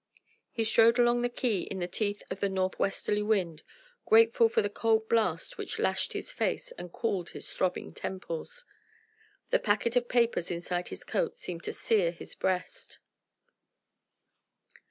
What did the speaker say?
He strode along the quay in the teeth of the north westerly wind, grateful for the cold blast which lashed his face and cooled his throbbing temples. The packet of papers inside his coat seemed to sear his breast.